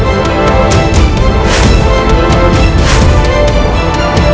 bukan mengusahakan penyelamatnya dalam kehidupan lain